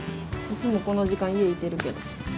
いつもこの時間家いてるけど。